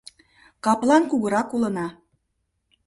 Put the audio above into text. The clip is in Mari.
Каплан кугурак улына.